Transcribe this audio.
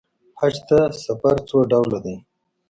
حج ته سفر څو ډوله دی.